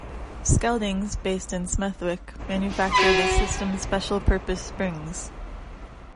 Skeldings, based in Smethwick, manufacture the system's special purpose springs.